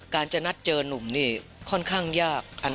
การจะนัดเจอนุ่มนี่ค่อนข้างยาก